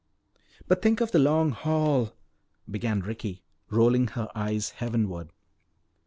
"But think of the Long Hall " began Ricky, rolling her eyes heavenward.